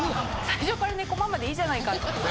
最初っからねこまんまでいいじゃないかと。